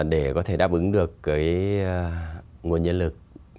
để có thể đáp ứng được cái nguồn nhân lực